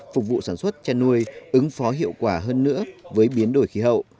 phục vụ sản xuất chăn nuôi ứng phó hiệu quả hơn nữa với biến đổi khí hậu